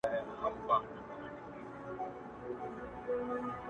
خو بدلون ورو روان دی تل